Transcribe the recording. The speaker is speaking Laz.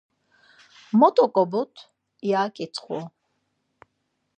Mot oǩoburt? ya ǩiktxu.